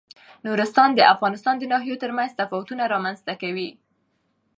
نورستان د افغانستان د ناحیو ترمنځ تفاوتونه رامنځ ته کوي.